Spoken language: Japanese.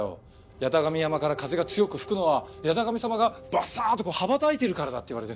八咫神山から風が強く吹くのは八咫神様がバサッて羽ばたいてるからだって言われて。